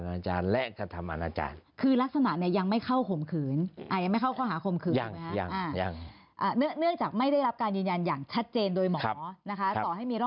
อาจารย์ถ้าจำบอกไม่ได้บอกนะคะ